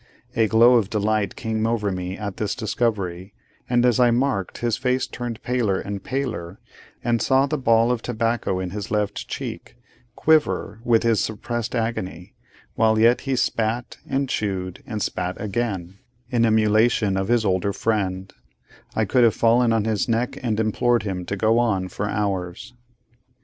A glow of delight came over me at this discovery; and as I marked his face turn paler and paler, and saw the ball of tobacco in his left cheek, quiver with his suppressed agony, while yet he spat, and chewed, and spat again, in emulation of his older friend, I could have fallen on his neck and implored him to go on for hours.